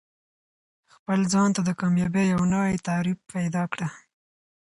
خپل ځان ته د کامیابۍ یو نوی تعریف پیدا کړه.